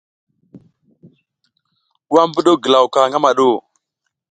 Wa mi mbuɗuw ngilaw ka ngama ɗu ?